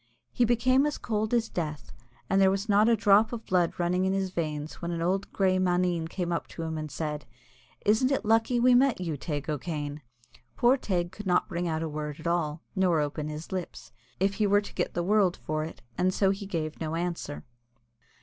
He became as cold as the Death, and there was not a drop of blood running in his veins when an old little grey maneen came up to him and said, "Isn't it lucky we met you, Teig O'Kane?" Poor Teig could not bring out a word at all, nor open his lips, if he were to get the world for it, and so he gave no answer.